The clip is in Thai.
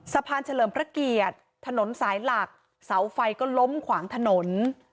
เฉลิมพระเกียรติถนนสายหลักเสาไฟก็ล้มขวางถนน